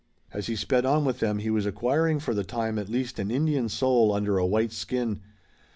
As he sped on with them he was acquiring for the time at least an Indian soul under a white skin.